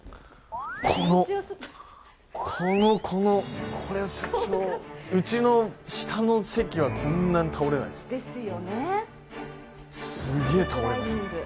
このこのこのこれ社長うちの下の席はこんなに倒れないですねですよね